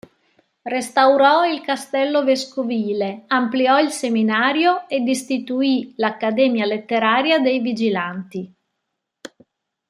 Restaurò il castello vescovile, ampliò il seminario ed istituì l'Accademia letteraria dei Vigilanti.